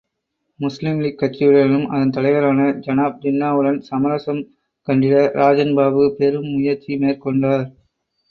முஸ்லீம் லீக் கட்சியுடனும், அதன் தலைவரான ஜனாப் ஜின்னாவுடனும் சமரசம் கண்டிட ராஜன் பாபு பெரும் முயற்சி மேற்கொண்டார்.